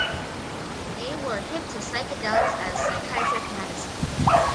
They were hip to psychedelics as psychiatric medicine.